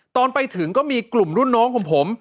ตอนไปถึงก็มีกลุ่มรุ่นน้องของผม